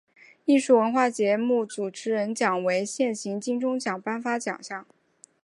艺术文化节目主持人奖为现行金钟奖颁发奖项。